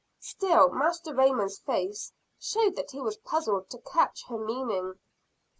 Still Master Raymond's face showed that he was puzzled to catch her meaning.